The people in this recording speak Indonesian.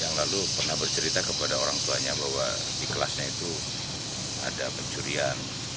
yang lalu pernah bercerita kepada orang tuanya bahwa di kelasnya itu ada pencurian